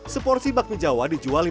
seporsi bakmi jawa dijual di sini